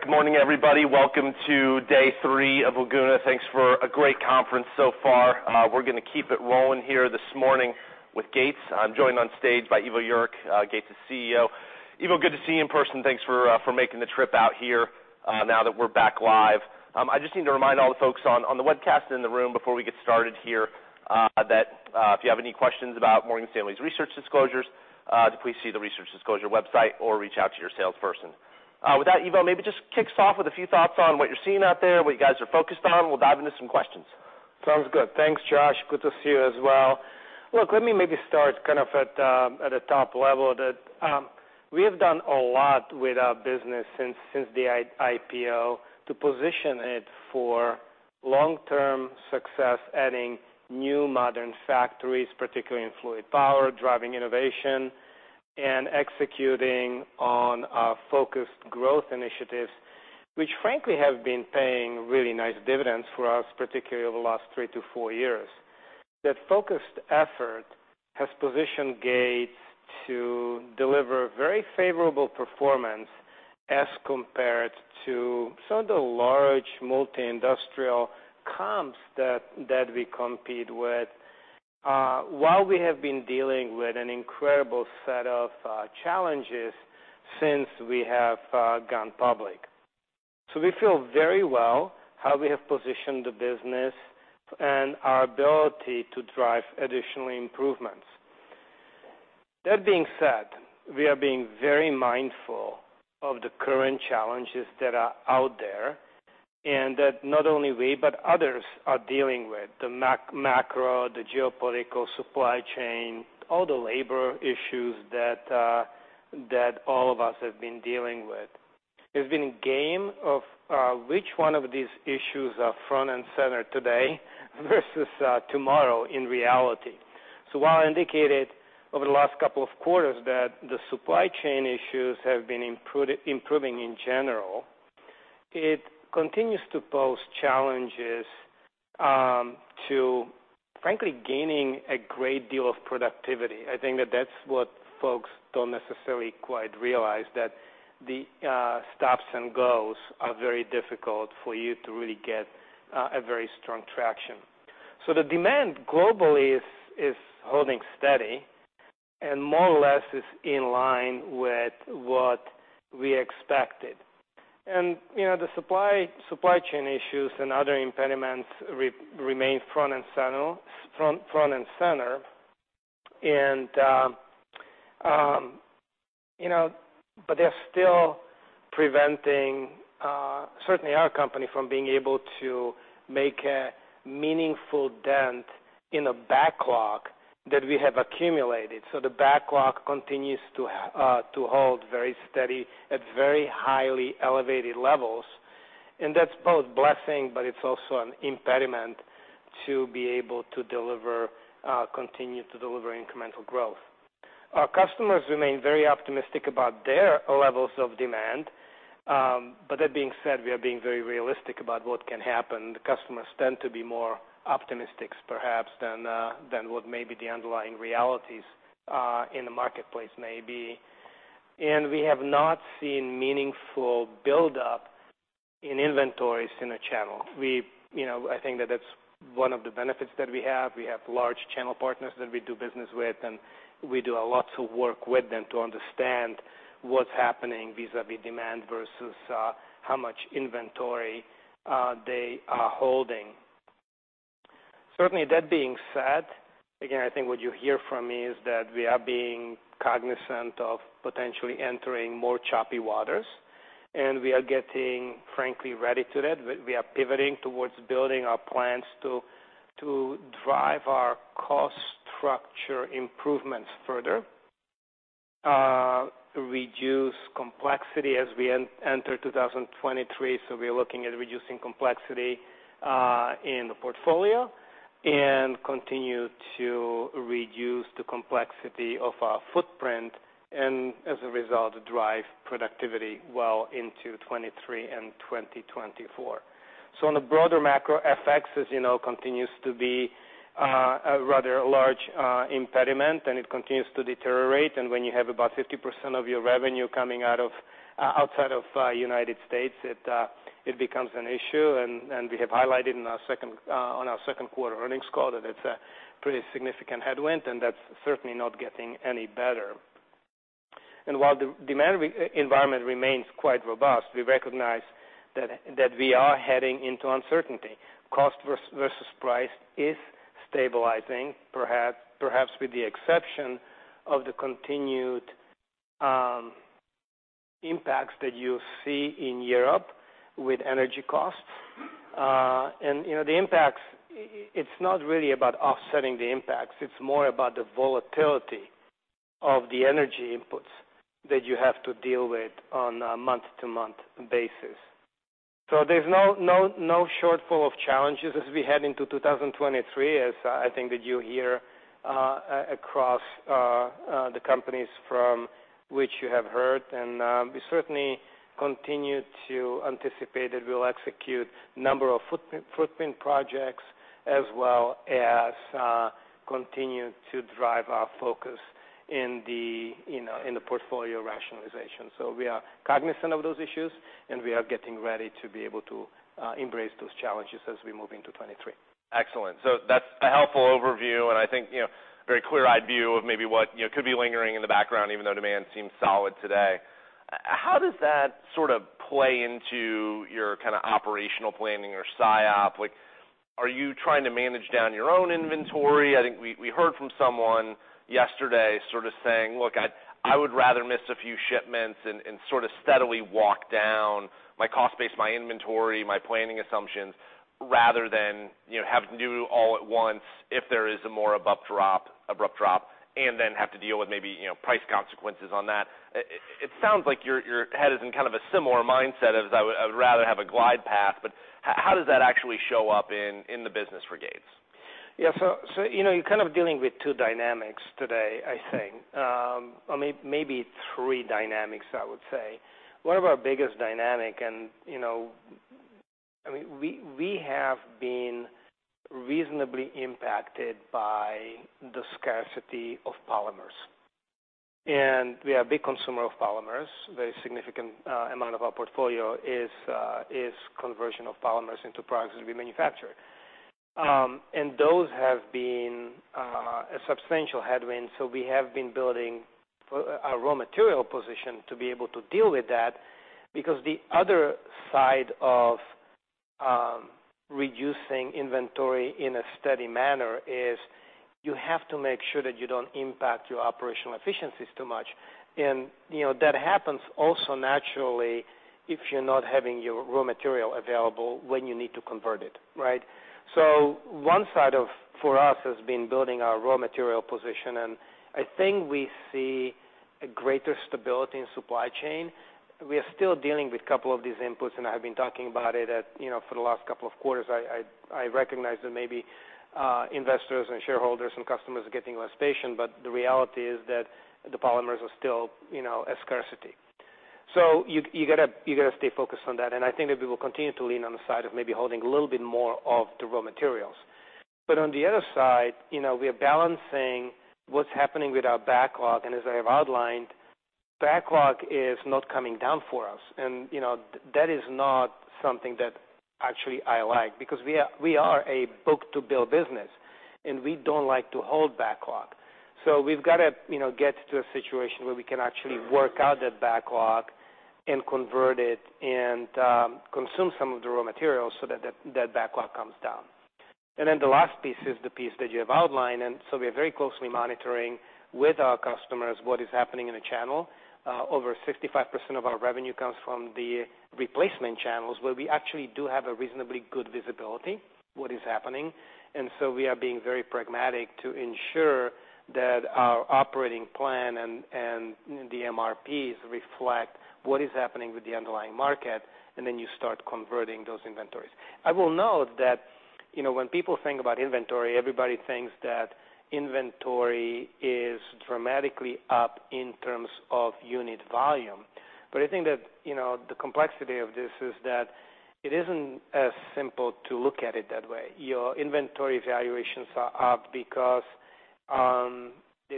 Good morning, everybody. Welcome to day three of Laguna. Thanks for a great conference so far. We're going to keep it rolling here this morning with Gates. I'm joined on stage by Ivo Jurek, Gates' CEO. Ivo, good to see you in person. Thanks for making the trip out here now that we're back live. I just need to remind all the folks on the webcast and in the room before we get started here that if you have any questions about Morgan Stanley's research disclosures, please see the research disclosure website or reach out to your salesperson. With that, Ivo, maybe just kick us off with a few thoughts on what you're seeing out there, what you guys are focused on. We'll dive into some questions. Sounds good. Thanks, Josh. Good to see you as well. Look, let me maybe start kind of at the top level that we have done a lot with our business since the IPO to position it for long-term success, adding new modern factories, particularly in fluid power, driving innovation, and executing on focused growth initiatives, which frankly have been paying really nice dividends for us, particularly over the last three to four years. That focused effort has positioned Gates to deliver very favorable performance as compared to some of the large multi-industrial comps that we compete with, while we have been dealing with an incredible set of challenges since we have gone public. We feel very well how we have positioned the business and our ability to drive additional improvements. That being said, we are being very mindful of the current challenges that are out there and that not only we but others are dealing with: the macro, the geopolitical, supply chain, all the labor issues that all of us have been dealing with. It's been a game of which one of these issues are front and center today versus tomorrow in reality. While I indicated over the last couple of quarters that the supply chain issues have been improving in general, it continues to pose challenges to frankly gaining a great deal of productivity. I think that that's what folks do not necessarily quite realize, that the stops and goes are very difficult for you to really get a very strong traction. The demand globally is holding steady and more or less is in line with what we expected. The supply chain issues and other impediments remain front and center. They are still preventing certainly our company from being able to make a meaningful dent in the backlog that we have accumulated. The backlog continues to hold very steady at very highly elevated levels. That is both a blessing, but it is also an impediment to be able to continue to deliver incremental growth. Our customers remain very optimistic about their levels of demand. That being said, we are being very realistic about what can happen. Customers tend to be more optimistic, perhaps, than what the underlying realities in the marketplace may be. We have not seen meaningful buildup in inventories in a channel. I think that is one of the benefits that we have. We have large channel partners that we do business with, and we do a lot of work with them to understand what's happening vis-à-vis demand versus how much inventory they are holding. Certainly, that being said, again, I think what you hear from me is that we are being cognizant of potentially entering more choppy waters. We are getting frankly ready to that. We are pivoting towards building our plans to drive our cost structure improvements further, reduce complexity as we enter 2023. We are looking at reducing complexity in the portfolio and continue to reduce the complexity of our footprint and, as a result, drive productivity well into 2023 and 2024. On the broader macro, FX, as you know, continues to be a rather large impediment, and it continues to deteriorate. When you have about 50% of your revenue coming outside of the United States, it becomes an issue. We have highlighted on our second quarter earnings call that it is a pretty significant headwind, and that is certainly not getting any better. While the demand environment remains quite robust, we recognize that we are heading into uncertainty. Cost versus price is stabilizing, perhaps with the exception of the continued impacts that you see in Europe with energy costs. The impacts, it is not really about offsetting the impacts. It is more about the volatility of the energy inputs that you have to deal with on a month-to-month basis. There is no shortfall of challenges as we head into 2023, as I think that you hear across the companies from which you have heard. We certainly continue to anticipate that we'll execute a number of footprint projects as well as continue to drive our focus in the portfolio rationalization. We are cognizant of those issues, and we are getting ready to be able to embrace those challenges as we move into 2023. Excellent. That is a helpful overview, and I think a very clear-eyed view of maybe what could be lingering in the background, even though demand seems solid today. How does that sort of play into your kind of operational planning or psyop? Are you trying to manage down your own inventory? I think we heard from someone yesterday sort of saying, "Look, I would rather miss a few shipments and sort of steadily walk down my cost base, my inventory, my planning assumptions," rather than have to do all at once if there is a more abrupt drop and then have to deal with maybe price consequences on that. It sounds like your head is in kind of a similar mindset of, "I would rather have a glide path." How does that actually show up in the business for Gates? Yeah. So you're kind of dealing with two dynamics today, I think. Maybe three dynamics, I would say. One of our biggest dynamics, and we have been reasonably impacted by the scarcity of polymers. And we are a big consumer of polymers. A very significant amount of our portfolio is conversion of polymers into products that we manufacture. And those have been a substantial headwind. We have been building our raw material position to be able to deal with that because the other side of reducing inventory in a steady manner is you have to make sure that you don't impact your operational efficiencies too much. That happens also naturally if you're not having your raw material available when you need to convert it, right? One side of, for us, has been building our raw material position. I think we see a greater stability in supply chain. We are still dealing with a couple of these inputs, and I have been talking about it for the last couple of quarters. I recognize that maybe investors and shareholders and customers are getting less patient, but the reality is that the polymers are still a scarcity. You got to stay focused on that. I think that we will continue to lean on the side of maybe holding a little bit more of the raw materials. On the other side, we are balancing what's happening with our backlog. As I have outlined, backlog is not coming down for us. That is not something that actually I like because we are a book-to-build business, and we do not like to hold backlog. We have got to get to a situation where we can actually work out that backlog and convert it and consume some of the raw materials so that that backlog comes down. The last piece is the piece that you have outlined. We are very closely monitoring with our customers what is happening in the channel. Over 65% of our revenue comes from the replacement channels where we actually do have a reasonably good visibility of what is happening. We are being very pragmatic to ensure that our operating plan and the MRPs reflect what is happening with the underlying market, and then you start converting those inventories. I will note that when people think about inventory, everybody thinks that inventory is dramatically up in terms of unit volume. I think that the complexity of this is that it is not as simple to look at it that way. Your inventory valuations are up because there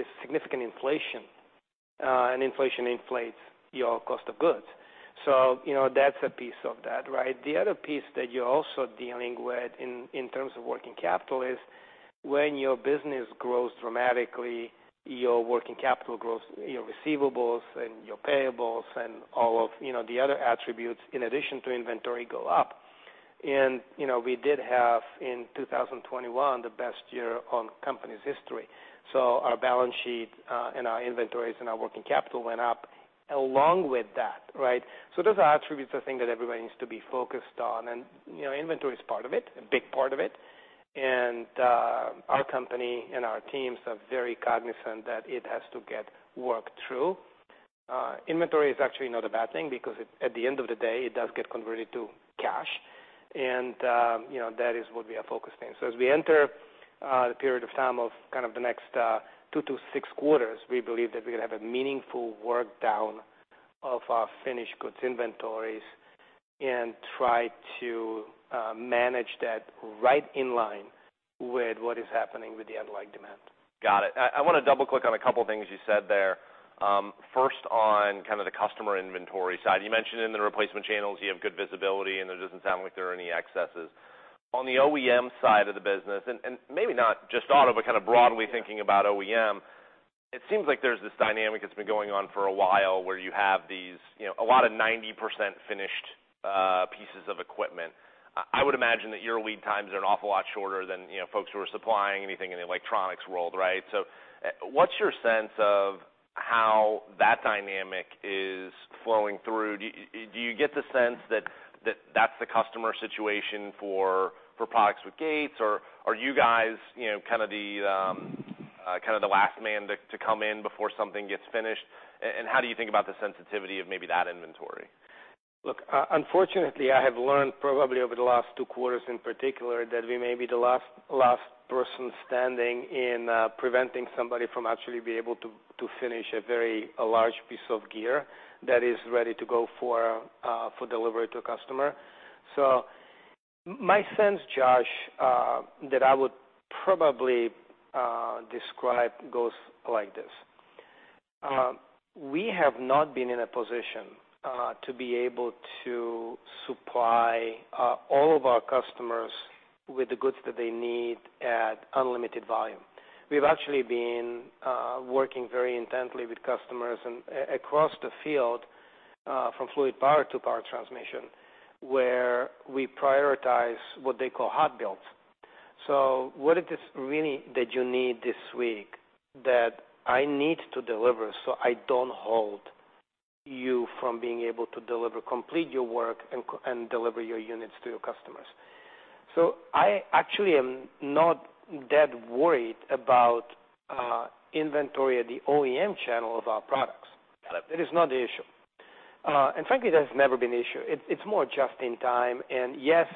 is significant inflation, and inflation inflates your cost of goods. That is a piece of that, right? The other piece that you are also dealing with in terms of working capital is when your business grows dramatically, your working capital grows, your receivables and your payables and all of the other attributes in addition to inventory go up. We did have in 2021 the best year in company's history. Our balance sheet and our inventories and our working capital went up along with that, right? Those are attributes, I think, that everybody needs to be focused on. Inventory is part of it, a big part of it. Our company and our teams are very cognizant that it has to get worked through. Inventory is actually not a bad thing because at the end of the day, it does get converted to cash. That is what we are focused on. As we enter the period of time of kind of the next two to six quarters, we believe that we're going to have a meaningful workdown of our finished goods inventories and try to manage that right in line with what is happening with the underlying demand. Got it. I want to double-click on a couple of things you said there. First, on kind of the customer inventory side, you mentioned in the replacement channels you have good visibility, and it does not sound like there are any excesses. On the OEM side of the business, and maybe not just auto, but kind of broadly thinking about OEM, it seems like there is this dynamic that has been going on for a while where you have a lot of 90% finished pieces of equipment. I would imagine that your lead times are an awful lot shorter than folks who are supplying anything in the electronics world, right? What is your sense of how that dynamic is flowing through? Do you get the sense that that's the customer situation for products with Gates, or are you guys kind of the last man to come in before something gets finished? How do you think about the sensitivity of maybe that inventory? Look, unfortunately, I have learned probably over the last two quarters in particular that we may be the last person standing in preventing somebody from actually being able to finish a very large piece of gear that is ready to go for delivery to a customer. My sense, Josh, that I would probably describe goes like this: we have not been in a position to be able to supply all of our customers with the goods that they need at unlimited volume. We've actually been working very intently with customers across the field from fluid power to power transmission, where we prioritize what they call hot builds. What it is really that you need this week that I need to deliver so I do not hold you from being able to deliver, complete your work, and deliver your units to your customers. I actually am not that worried about inventory at the OEM channel of our products. That is not the issue. Frankly, that has never been the issue. It's more just in time. Yes,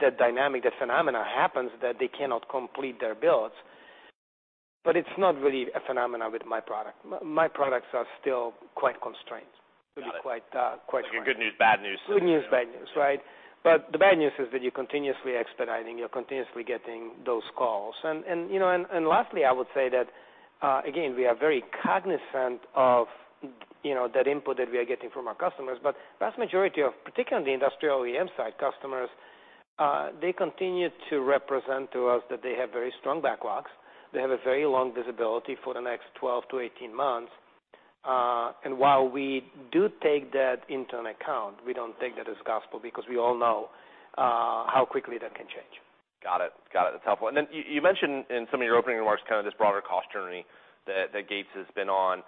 the dynamic, the phenomena happens that they cannot complete their builds, but it's not really a phenomena with my product. My products are still quite constrained, to be quite frank. Good news, bad news. Good news, bad news, right? The bad news is that you're continuously expediting. You're continuously getting those calls. Lastly, I would say that, again, we are very cognizant of that input that we are getting from our customers. The vast majority of, particularly on the industrial OEM side customers, they continue to represent to us that they have very strong backlogs. They have a very long visibility for the next 12-18 months. While we do take that into account, we do not take that as gospel because we all know how quickly that can change. Got it. That's helpful. You mentioned in some of your opening remarks kind of this broader cost journey that Gates has been on.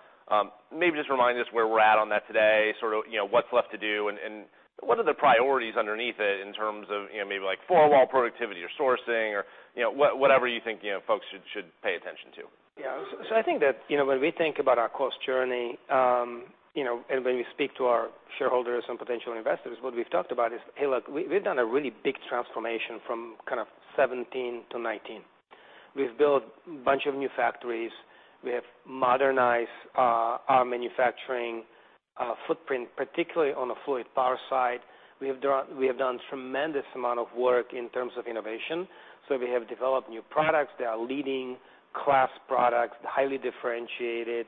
Maybe just remind us where we're at on that today, sort of what's left to do, and what are the priorities underneath it in terms of maybe like four-wall productivity or sourcing or whatever you think folks should pay attention to. Yeah. I think that when we think about our cost journey and when we speak to our shareholders and potential investors, what we've talked about is, "Hey, look, we've done a really big transformation from kind of 2017-2019. We've built a bunch of new factories. We have modernized our manufacturing footprint, particularly on the fluid power side. We have done a tremendous amount of work in terms of innovation. We have developed new products that are leading-class products, highly differentiated,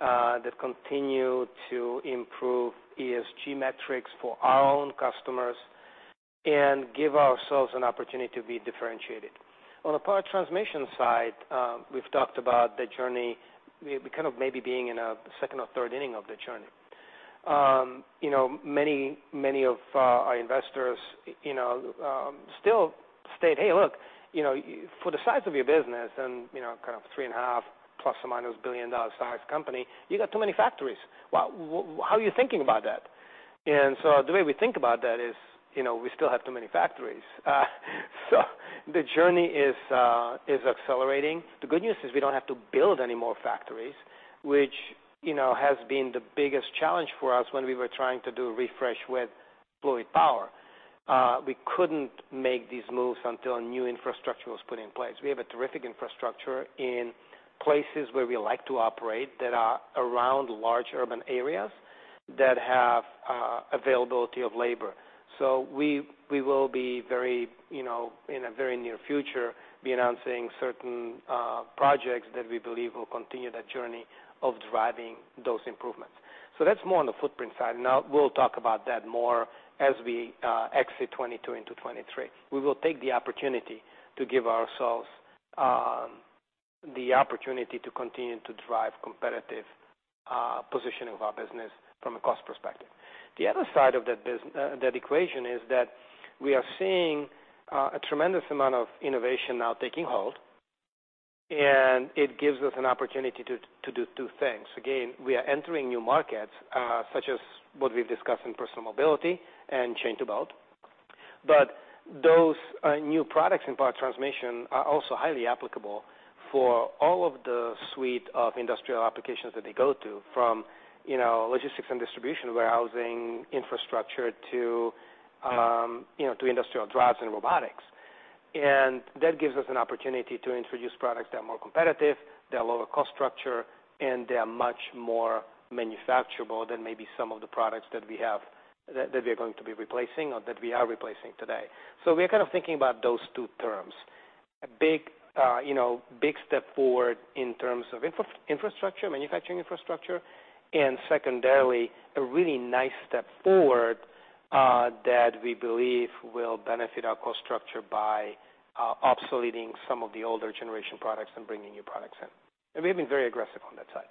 that continue to improve ESG metrics for our own customers and give ourselves an opportunity to be differentiated. On the power transmission side, we've talked about the journey. We're kind of maybe being in a second or third inning of the journey. Many of our investors still state, "Hey, look, for the size of your business and kind of ± $3.5 billion dollar sized company, you got too many factories. How are you thinking about that?" The way we think about that is we still have too many factories. The journey is accelerating. The good news is we do not have to build any more factories, which has been the biggest challenge for us when we were trying to do a refresh with fluid power. We could not make these moves until new infrastructure was put in place. We have a terrific infrastructure in places where we like to operate that are around large urban areas that have availability of labor. We will be, in a very near future, announcing certain projects that we believe will continue that journey of driving those improvements. That is more on the footprint side. We will talk about that more as we exit 2022 into 2023. We will take the opportunity to give ourselves the opportunity to continue to drive competitive positioning of our business from a cost perspective. The other side of that equation is that we are seeing a tremendous amount of innovation now taking hold, and it gives us an opportunity to do two things. Again, we are entering new markets such as what we have discussed in personal mobility and chain to belt. Those new products in power transmission are also highly applicable for all of the suite of industrial applications that they go to, from logistics and distribution, warehousing, infrastructure, to industrial drives and robotics. That gives us an opportunity to introduce products that are more competitive, that are lower cost structure, and they are much more manufacturable than maybe some of the products that we are going to be replacing or that we are replacing today. We are kind of thinking about those two terms. A big step forward in terms of infrastructure, manufacturing infrastructure, and secondarily, a really nice step forward that we believe will benefit our cost structure by obsoleting some of the older generation products and bringing new products in. We have been very aggressive on that side.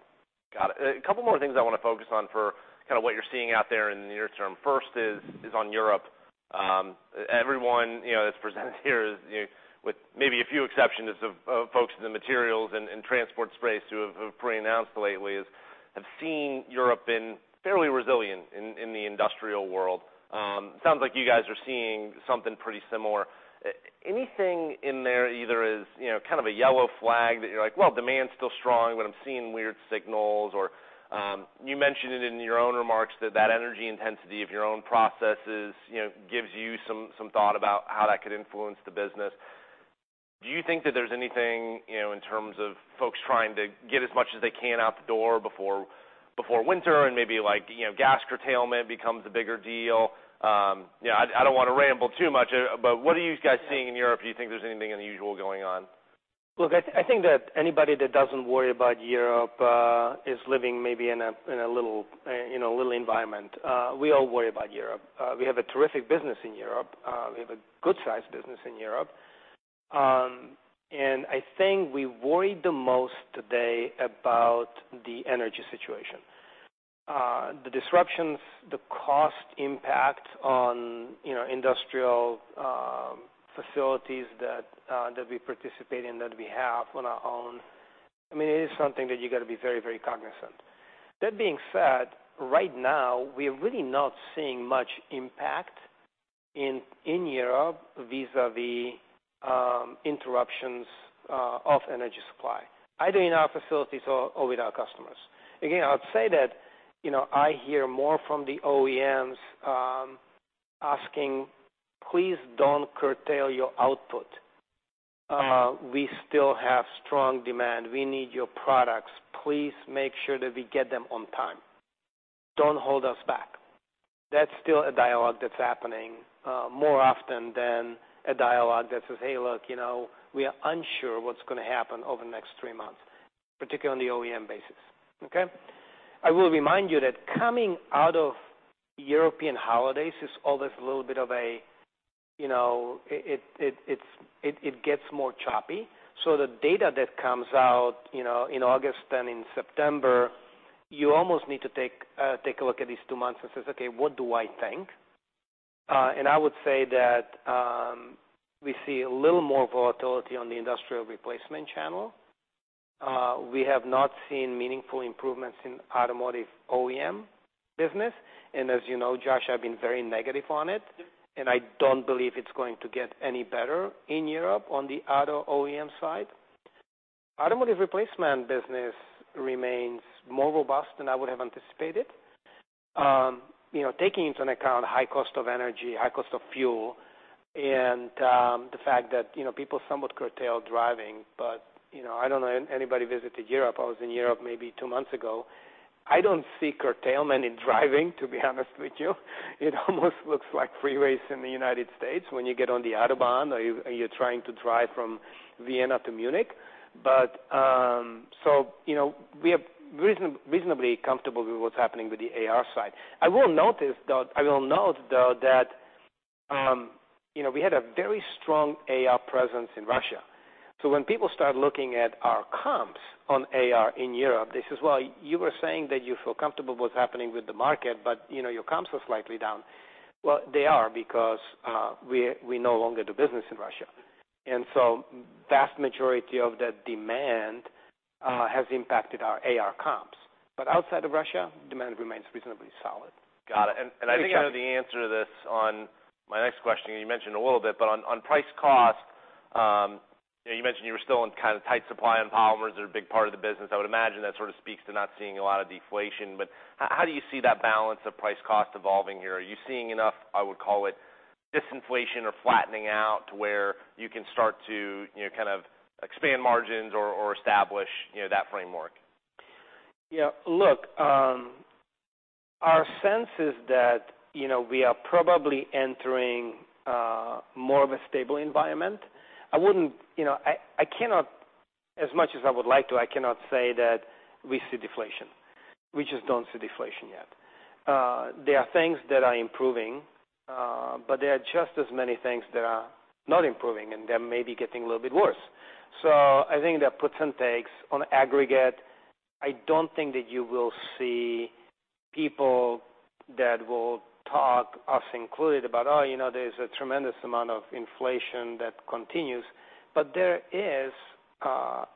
Got it. A couple more things I want to focus on for kind of what you're seeing out there in the near term. First is on Europe. Everyone that's presented here is, with maybe a few exceptions of folks in the materials and transport space who have pre-announced lately, have seen Europe been fairly resilient in the industrial world. It sounds like you guys are seeing something pretty similar. Anything in there either is kind of a yellow flag that you're like, "Well, demand's still strong, but I'm seeing weird signals," or you mentioned it in your own remarks that that energy intensity of your own processes gives you some thought about how that could influence the business. Do you think that there's anything in terms of folks trying to get as much as they can out the door before winter and maybe gas curtailment becomes a bigger deal? I don't want to ramble too much, but what are you guys seeing in Europe? Do you think there's anything unusual going on? Look, I think that anybody that doesn't worry about Europe is living maybe in a little environment. We all worry about Europe. We have a terrific business in Europe. We have a good-sized business in Europe. I think we worry the most today about the energy situation, the disruptions, the cost impact on industrial facilities that we participate in that we have on our own. I mean, it is something that you got to be very, very cognizant. That being said, right now, we are really not seeing much impact in Europe vis-à-vis interruptions of energy supply, either in our facilities or with our customers. Again, I would say that I hear more from the OEMs asking, "Please don't curtail your output. We still have strong demand. We need your products. Please make sure that we get them on time. Don't hold us back." That's still a dialogue that's happening more often than a dialogue that says, "Hey, look, we are unsure what's going to happen over the next three months," particularly on the OEM basis. Okay? I will remind you that coming out of European holidays is always a little bit of a it gets more choppy. So the data that comes out in August and in September, you almost need to take a look at these two months and say, "Okay, what do I think?" I would say that we see a little more volatility on the industrial replacement channel. We have not seen meaningful improvements in automotive OEM business. As you know, Josh, I've been very negative on it, and I don't believe it's going to get any better in Europe on the auto OEM side. Automotive replacement business remains more robust than I would have anticipated, taking into account high cost of energy, high cost of fuel, and the fact that people somewhat curtail driving. I do not know. Anybody visited Europe? I was in Europe maybe two months ago. I do not see curtailment in driving, to be honest with you. It almost looks like freeways in the United States when you get on the Autobahn or you are trying to drive from Vienna to Munich. We are reasonably comfortable with what is happening with the AR side. I will note though that we had a very strong AR presence in Russia. When people start looking at our comps on AR in Europe, they say, "You were saying that you feel comfortable with what's happening with the market, but your comps are slightly down." They are because we no longer do business in Russia. The vast majority of that demand has impacted our AR comps. Outside of Russia, demand remains reasonably solid. Got it. I think I know the answer to this on my next question. You mentioned a little bit, but on price-cost, you mentioned you were still in kind of tight supply on polymers. They're a big part of the business. I would imagine that sort of speaks to not seeing a lot of deflation. How do you see that balance of price-cost evolving here? Are you seeing enough, I would call it, disinflation or flattening out to where you can start to kind of expand margins or establish that framework? Yeah. Look, our sense is that we are probably entering more of a stable environment. I cannot, as much as I would like to, I cannot say that we see deflation. We just do not see deflation yet. There are things that are improving, but there are just as many things that are not improving, and they are maybe getting a little bit worse. I think that % takes on aggregate, I do not think that you will see people that will talk, us included, about, "Oh, there is a tremendous amount of inflation that continues." There is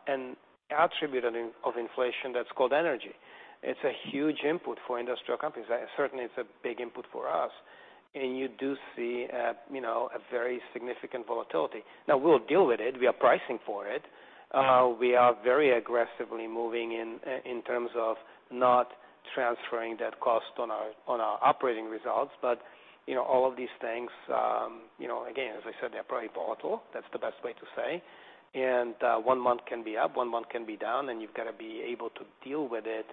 an attribute of inflation that is called energy. It is a huge input for industrial companies. Certainly, it is a big input for us. You do see a very significant volatility. We will deal with it. We are pricing for it. We are very aggressively moving in terms of not transferring that cost on our operating results. All of these things, again, as I said, they're probably volatile. That's the best way to say. One month can be up, one month can be down, and you've got to be able to deal with it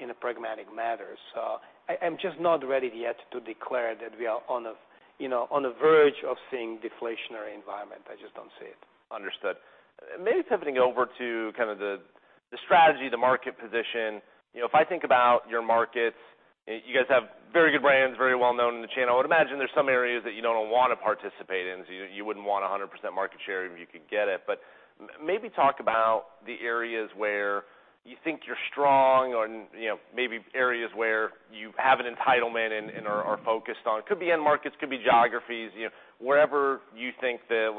in a pragmatic manner. I'm just not ready yet to declare that we are on the verge of seeing deflationary environment. I just don't see it. Understood. Maybe pivoting over to kind of the strategy, the market position. If I think about your markets, you guys have very good brands, very well-known in the chain. I would imagine there's some areas that you don't want to participate in. You wouldn't want 100% market share if you could get it. Maybe talk about the areas where you think you're strong or maybe areas where you have an entitlement and are focused on. Could be end markets, could be geographies, wherever you think that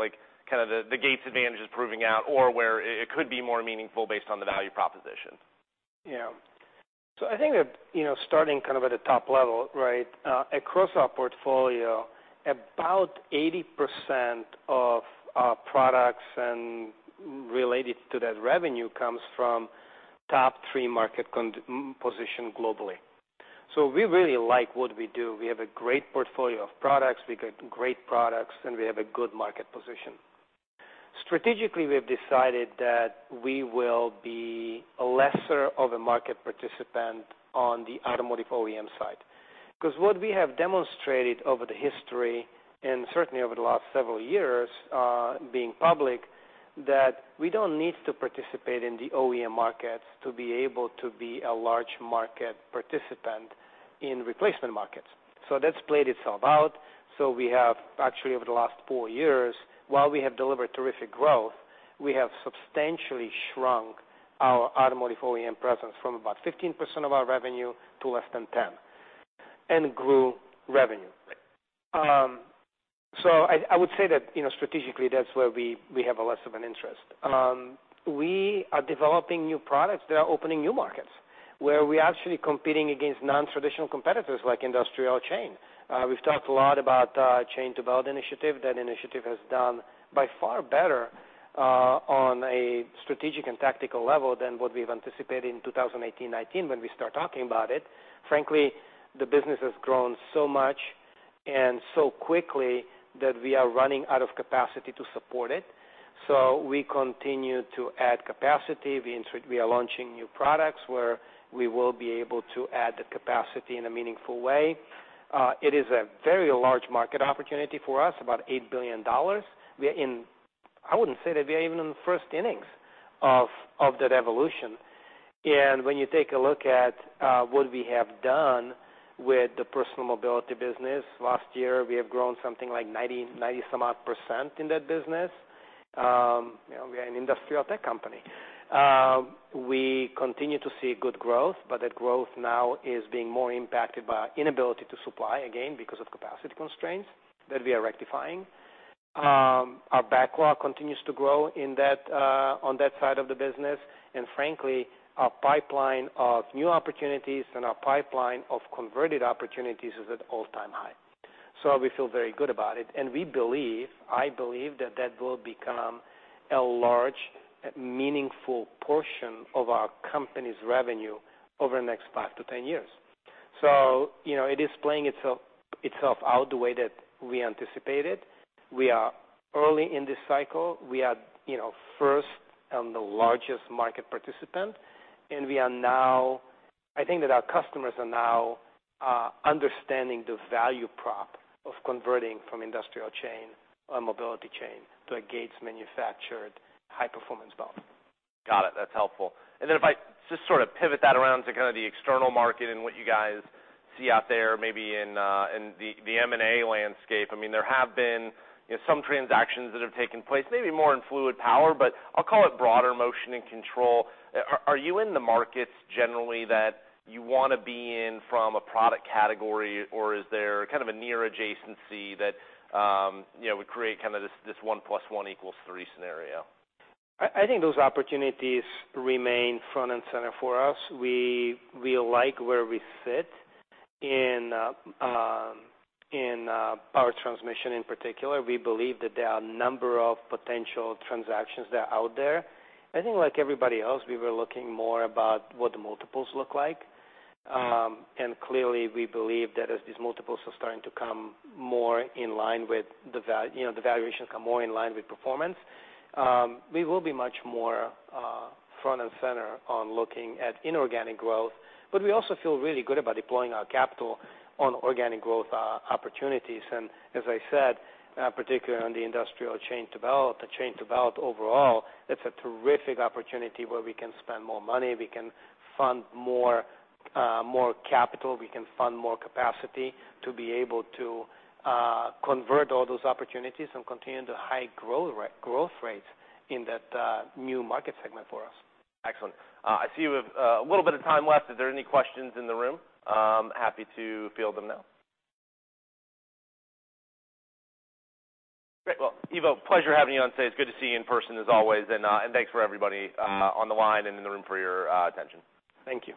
kind of the Gates advantage is proving out or where it could be more meaningful based on the value proposition. Yeah. I think that starting kind of at a top level, right, across our portfolio, about 80% of our products and related to that revenue comes from top three market position globally. We really like what we do. We have a great portfolio of products. We get great products, and we have a good market position. Strategically, we have decided that we will be lesser of a market participant on the automotive OEM side because what we have demonstrated over the history and certainly over the last several years being public, that we do not need to participate in the OEM markets to be able to be a large market participant in replacement markets. That has played itself out. We have actually, over the last four years, while we have delivered terrific growth, we have substantially shrunk our automotive OEM presence from about 15% of our revenue to less than 10% and grew revenue. I would say that strategically, that's where we have less of an interest. We are developing new products that are opening new markets where we are actually competing against non-traditional competitors like industrial chain. We have talked a lot about chain to belt initiative. That initiative has done by far better on a strategic and tactical level than what we anticipated in 2018-2019 when we started talking about it. Frankly, the business has grown so much and so quickly that we are running out of capacity to support it. We continue to add capacity. We are launching new products where we will be able to add the capacity in a meaningful way. It is a very large market opportunity for us, about $8 billion. I wouldn't say that we are even in the first innings of that evolution. When you take a look at what we have done with the personal mobility business last year, we have grown something like 90-some odd percent in that business. We are an industrial tech company. We continue to see good growth, but that growth now is being more impacted by our inability to supply again because of capacity constraints that we are rectifying. Our backlog continues to grow on that side of the business. Frankly, our pipeline of new opportunities and our pipeline of converted opportunities is at all-time high. We feel very good about it. I believe that that will become a large, meaningful portion of our company's revenue over the next 5-10 years. It is playing itself out the way that we anticipated. We are early in this cycle. We are first and the largest market participant. I think that our customers are now understanding the value prop of converting from industrial chain or mobility chain to a Gates-manufactured high-performance belt. Got it. That's helpful. If I just sort of pivot that around to kind of the external market and what you guys see out there, maybe in the M&A landscape, I mean, there have been some transactions that have taken place, maybe more in fluid power, but I'll call it broader motion and control. Are you in the markets generally that you want to be in from a product category, or is there kind of a near adjacency that would create kind of this 1 + 1 = 3 scenario? I think those opportunities remain front and center for us. We like where we sit in power transmission in particular. We believe that there are a number of potential transactions that are out there. I think like everybody else, we were looking more about what the multiples look like. Clearly, we believe that as these multiples are starting to come more in line with the valuation, come more in line with performance, we will be much more front and center on looking at inorganic growth. We also feel really good about deploying our capital on organic growth opportunities. As I said, particularly on the industrial chain to belt, the chain to belt overall, that's a terrific opportunity where we can spend more money. We can fund more capital. We can fund more capacity to be able to convert all those opportunities and continue the high growth rates in that new market segment for us. Excellent. I see we have a little bit of time left. Is there any questions in the room? Happy to field them now. Great. Ivo, pleasure having you on today. It's good to see you in person as always. Thanks for everybody on the line and in the room for your attention. Thank you.